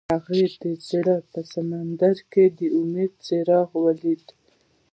هغه د زړه په سمندر کې د امید څراغ ولید.